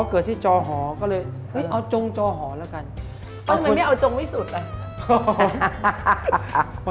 เออเออเออเออ